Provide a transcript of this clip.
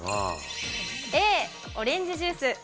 Ａ、オレンジジュース。